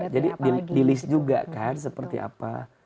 jadi di list juga kan seperti apa